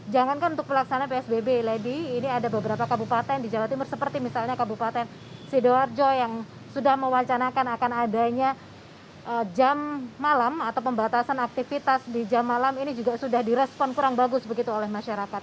jangankan untuk pelaksanaan psbb lady ini ada beberapa kabupaten di jawa timur seperti misalnya kabupaten sidoarjo yang sudah mewacanakan akan adanya jam malam atau pembatasan aktivitas di jam malam ini juga sudah direspon kurang bagus begitu oleh masyarakat